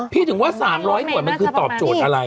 ถึงว่า๓๐๐หน่วยมันคือตอบโจทย์อะไร